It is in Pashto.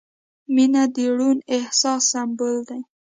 • مینه د روڼ احساس سمبول دی.